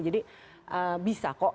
jadi bisa kok